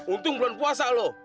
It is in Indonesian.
untung bukan puasa lu